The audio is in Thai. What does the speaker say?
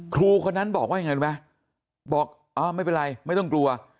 ครูคนนั้นบอกว่ายังไงรู้ไหมบอกไม่เป็นไรไม่ต้องกลัว